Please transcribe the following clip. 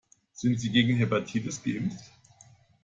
Sind Sie gegen Hepatitis geimpft?